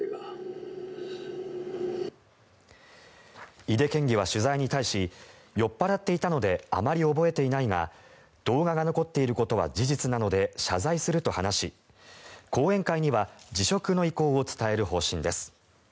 井手県議は取材に対し酔っ払っていたのであまり覚えていないが動画が残っていることは事実なので謝罪すると話し後援会には辞職の意向を伝える方針です。